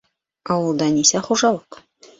Ауылда нисә хужалыҡ?